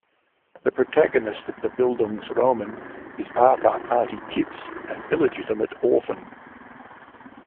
The protagonist of the Bildungsroman is Arthur "Artie" Kipps, an illegitimate orphan.